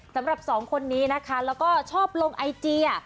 สำหรับสองคนนี้นะคะแล้วก็ชอบลงไอจี